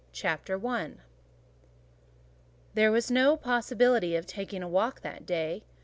CHAPTER I There was no possibility of taking a walk that day.